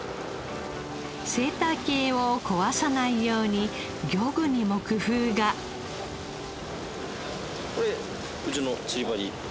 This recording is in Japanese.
生態系を壊さないように漁具にも工夫がこれうちの釣り針。